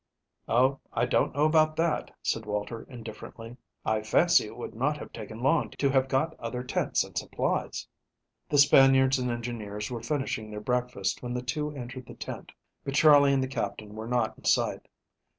"Oh, I don't know about that," said Walter indifferently. "I fancy it would not have taken long to have got other tents and supplies." The Spaniards and engineers were finishing their breakfast when the two entered the tent, but Charley and the Captain were not in sight.